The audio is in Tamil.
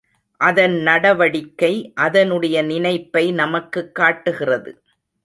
அதன் நடவடிக்கை, அதனுடைய நினைப்பை நமக்குக் காட்டுகிறது.